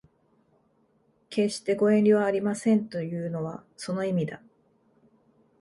決してご遠慮はありませんというのはその意味だ